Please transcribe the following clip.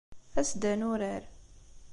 As-d ad nurar.